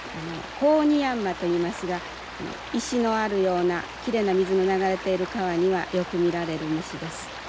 コオニヤンマといいますが石のあるようなきれいな水の流れている川にはよく見られる虫です。